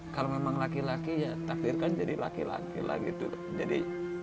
kalau memang laki laki takdirkan jadi laki laki lagi